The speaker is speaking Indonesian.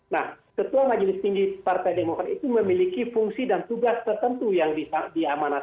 nah ketua majelis tinggi partai demokrat itu memiliki fungsi dan tugas tertentu yang diamanatkan oleh adrt partai demokrat